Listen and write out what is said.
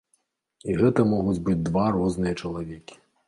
І гэта могуць быць два розныя чалавекі.